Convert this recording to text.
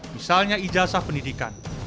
misalnya ijazah pendidikan